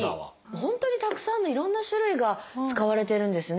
本当にたくさんのいろんな種類が使われてるんですね。